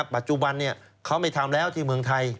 ปัจจุบันเขาไม่ทำแล้วที่เมืองไทย